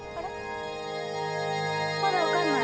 まだ分かんない。